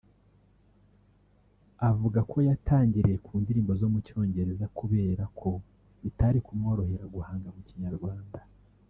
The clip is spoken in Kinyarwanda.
Avuga ko yatangiriye ku ndirimbo zo mu Cyongereza kuberako bitari kumworohera guhanga mu Kinyarwanda